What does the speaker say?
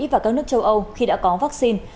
và các nước châu âu khi đã có vaccine